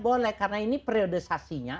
boleh karena ini periodisasinya